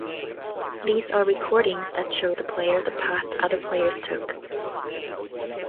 These are recordings that show the player the path other players took.